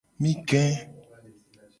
Mi ge.